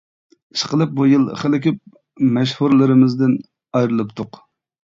ئىشقىلىپ بۇ يىل خېلى كۆپ مەشھۇرلىرىمىزدىن ئايرىلىپتۇق.